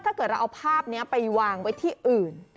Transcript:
ถ้าเกิดเราเอาภาพนี้ไปวางไว้ที่อื่น